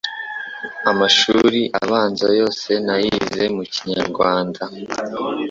Amashuri abanza yose nayize mu Kinyarwanda